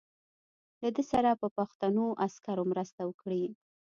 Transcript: له ده سره به پښتنو عسکرو مرسته وکړي.